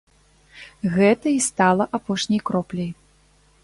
Гэта і стала апошняй кропляй.